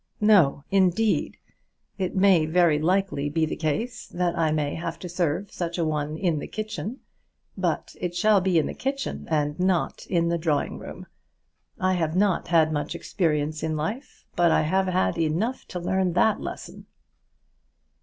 No, indeed! It may very likely be the case that I may have to serve such a one in the kitchen, but it shall be in the kitchen, and not in the drawing room. I have not had much experience in life, but I have had enough to learn that lesson!"